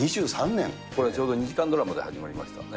これちょうど２時間ドラマで始まりましたね。